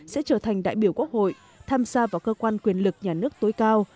sẽ trở thành đại biểu quốc hội tham gia vào cơ quan quyền lực nhà nước tối cao